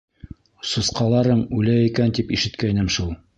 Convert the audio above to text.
- Сусҡаларың үлә икән тип ишеткәйнем шул.